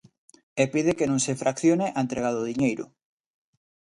E pide que non se fraccione a entrega do diñeiro.